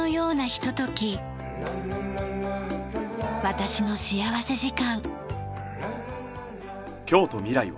『私の幸福時間』。